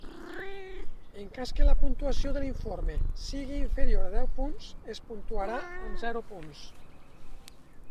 En cas que la puntuació de l'informe sigui inferior a deu punts, es puntuarà amb zero punts.